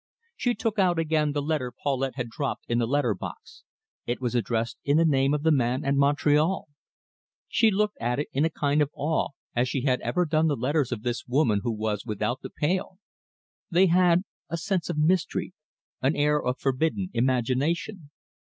She took out again the letter Paulette had dropped in the letter box; it was addressed in the name of the man at Montreal. She looked at it in a kind of awe, as she had ever done the letters of this woman who was without the pale. They had a sense of mystery, an air of forbidden imagination.